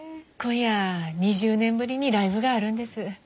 今夜２０年ぶりにライブがあるんです。